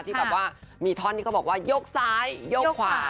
ที่แบบว่ามีท่อนที่เขาบอกว่ายกซ้ายยกขวา